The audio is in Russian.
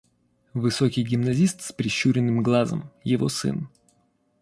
Высокий гимназист с прищуренным глазом — его сын.